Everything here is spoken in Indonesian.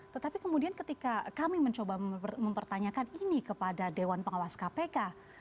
tetapi kemudian ketika kami mencoba mempertanyakan ini kepada dewan pengawas kpk